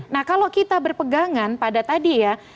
nah kalau kita berpegangan pada tadi ya